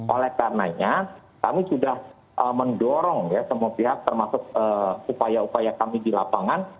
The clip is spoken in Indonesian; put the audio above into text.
oleh karenanya kami sudah mendorong ya semua pihak termasuk upaya upaya kami di lapangan